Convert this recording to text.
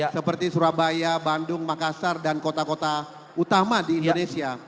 seperti surabaya bandung makassar dan kota kota utama di indonesia